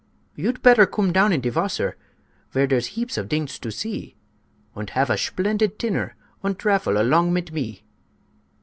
"You'd petter coom down in de wasser, Vere deres heaps of dings to see, Und hafe a shplendid tinner Und drafel along mit me.